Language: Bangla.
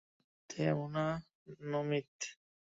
থেমো না, নমিত।